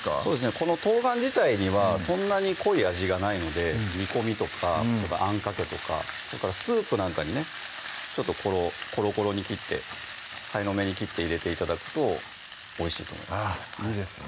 この冬瓜自体にはそんなに濃い味がないので煮込みとかあんかけとかスープなんかにねちょっとコロコロに切ってさいの目に切って入れて頂くとおいしいと思いますあっいいですね